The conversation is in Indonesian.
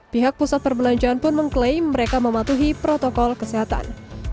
pihak pusat perbelanjaan pun mengklaim mereka mematuhi protokol kesehatan